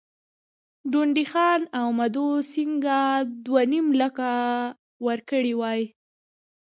ډونډي خان او مدو سینګه دوه نیم لکه ورکړي وای.